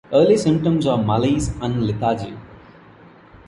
Early symptoms are malaise and lethargy.